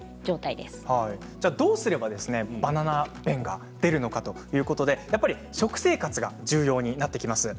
ではどうすればバナナ便が出るのかということで食生活が重要になってきます。